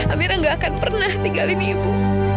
amira gak akan pernah tinggalin ibu